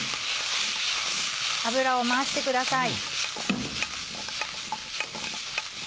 油を回してください。